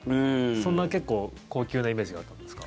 そんな結構、高級なイメージがあったんですか？